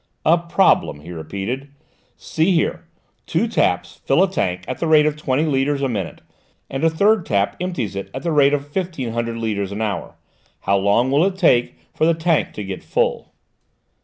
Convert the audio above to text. "A problem," he repeated. "See here: two taps fill a tank at the rate of twenty litres a minute, and a third tap empties it at the rate of fifteen hundred litres an hour. How long will it take for the tank to get full?"